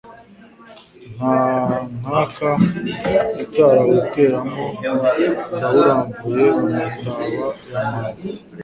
Nta nkaka itarawuteramoNawuramvuye mu mataba ya Maza